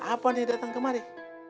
apa nih datang kemari